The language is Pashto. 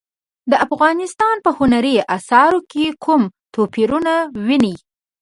د افغانستان په هنري اثارو کې کوم توپیرونه وینئ؟